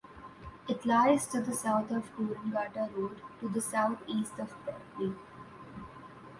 It lies to the south of Coolangatta Road to the southeast of Berry.